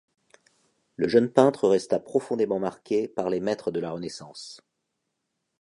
Le jeune peintre resta profondément marqué par les maîtres de la Renaissance.